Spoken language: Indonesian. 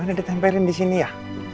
oh udah ditempelin di sini ya